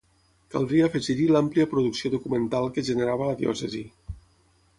Caldria afegir-hi l'àmplia producció documental que generava la Diòcesi.